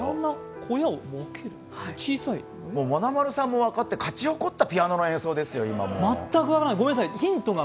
小屋を小さいまなまるさんも分かって、勝ち誇ったピアノの演奏ですよ。